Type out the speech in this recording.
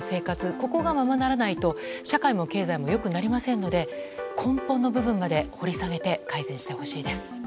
ここがままならないと社会も経済も良くなりませんので根本の部分まで掘り下げて改善してほしいです。